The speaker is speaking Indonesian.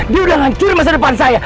dia udah hancur masa depan saya